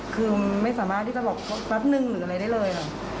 คือไม่สามารถที่จะบอกแป๊บนึงหรืออะไรได้เลยค่ะ